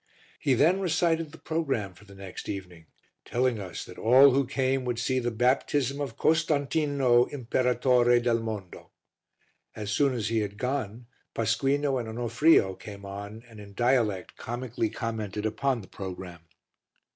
He then recited the programme for the next evening, telling us that all who came would see the baptism of Costantino, Imperatore del Mondo. As soon as he had gone, Pasquino and Onofrio came on and in dialect comically commented upon the programme.